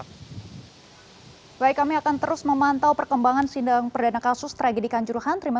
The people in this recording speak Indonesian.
hai baik kami akan terus memantau perkembangan sindang perdana kasus tragedi kanjuruhan terima